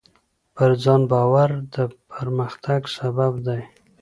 پر ځان باور د پرمختګ سبب دی.